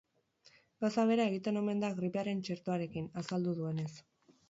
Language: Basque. Gauza bera egiten omen da gripearen txertoarekin, azaldu duenez.